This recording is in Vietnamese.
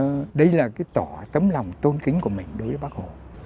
để mong sao đây là cái tỏ tấm lòng tôn kính của mình đối với bác hồ